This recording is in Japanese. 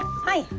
はい。